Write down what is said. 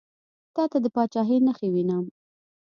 تاته د پاچهي نخښې وینم.